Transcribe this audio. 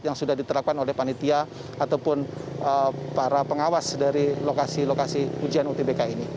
yang sudah diterapkan oleh panitia ataupun para pengawas dari lokasi lokasi ujian utbk ini